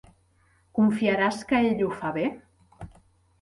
Confiaràs que ell ho fa bé?